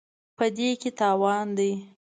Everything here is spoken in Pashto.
په دې کې تاوان دی.